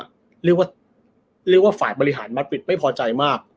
เรียกว่าเรียกว่าฝ่ายบริหารมาปิดไม่พอใจมาก